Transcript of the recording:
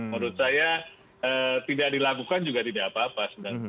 menurut saya tidak dilakukan juga tidak apa apa